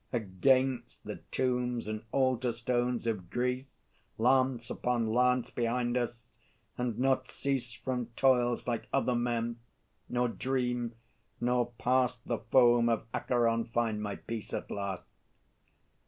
Against the tombs and altar stones of Greece, Lance upon lance behind us; and not cease From toils, like other men, nor dream, nor past The foam of Acheron find my peace at last.